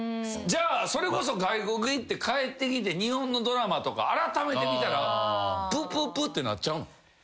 じゃあそれこそ外国行って帰ってきて日本のドラマとかあらためて見たらプップップッてなっちゃう？